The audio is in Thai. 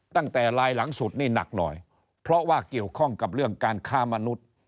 ตั้งแต่ลายหลังสุดนี่หนักหน่อยเพราะว่าเกี่ยวข้องกับเรื่องการค้ามนุษย์